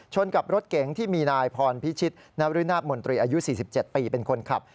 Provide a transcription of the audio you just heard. กับรถเก๋งที่มีนายพรพิชิตนรุนาธมนตรีอายุ๔๗ปีเป็นคนขับ